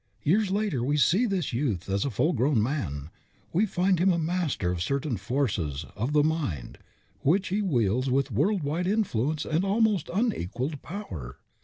Years later we see this youth as a full grown man. We find him a master of certain forces of the mind which he wields with world wide influence and almost unequaled power.